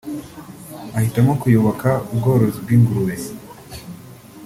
ahitamo kuyoboka ubworozi bw’ingurube